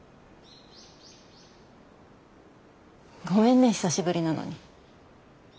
ごめんね久しぶりなのに。